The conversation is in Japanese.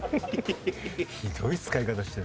ひどい使い方してる。